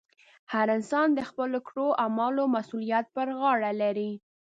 هر انسان د خپلو کړو اعمالو مسؤلیت پر غاړه لري.